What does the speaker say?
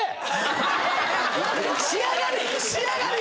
仕上がり！